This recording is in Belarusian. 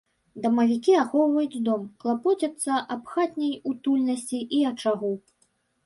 Дамавікі ахоўваюць дом, клапоцяцца аб хатняй утульнасці і ачагу.